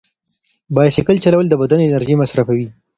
بایسکل چلول د بدن انرژي مصرفوي.